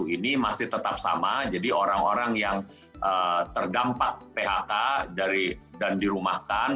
ini masih tetap sama jadi orang orang yang terdampak phk dan dirumahkan